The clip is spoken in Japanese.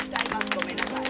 ごめんなさい。